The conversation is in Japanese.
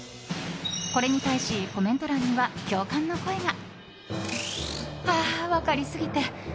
これに対しコメント欄には共感の声が。